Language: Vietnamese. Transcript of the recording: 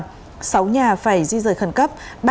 sáu nhà phải di rời khẩn cấp